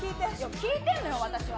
聞いてんのよ、私は。